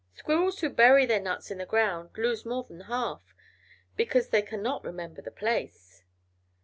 Squirrels who bury their nuts in the ground lose more than half, because they cannot remember the place.